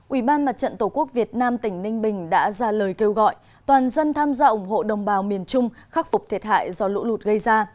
ủy ban mặt trận tổ quốc việt nam tỉnh ninh bình đã ra lời kêu gọi toàn dân tham gia ủng hộ đồng bào miền trung khắc phục thiệt hại do lũ lụt gây ra